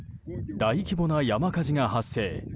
大規模な山火事が発生。